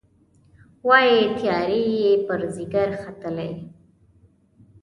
وايي، تیارې یې پر ځيګر ختلي